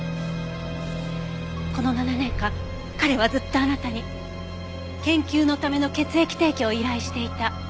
この７年間彼はずっとあなたに研究のための血液提供を依頼していた。